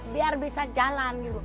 biar bisa jalan